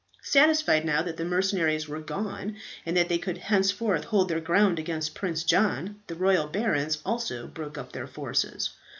Satisfied, now that the mercenaries were gone, that they could henceforth hold their ground against Prince John, the royal barons also broke up their forces.